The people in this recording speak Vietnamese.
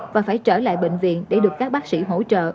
và phải trở lại bệnh viện để được các bác sĩ hỗ trợ